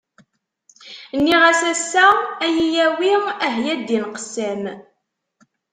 Nniɣ-as ass-a ad iyi-yawi, ah ya ddin qessam!